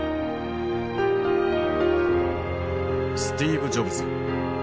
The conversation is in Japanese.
スティーブ・ジョブズ。